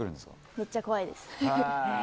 めっちゃ怖いです。